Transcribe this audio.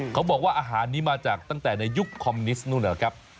เขาบอกว่าอาหารนี้มาจากตั้งแต่ในยุคคอมนิสต์นู่นนะครับ